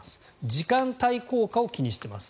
時間対効果を気にしてます。